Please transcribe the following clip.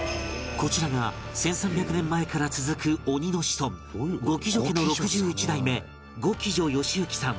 こちらが１３００年前から続く鬼の子孫五鬼助家の６１代目五鬼助義之さん